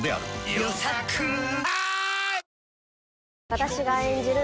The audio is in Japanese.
私が演じる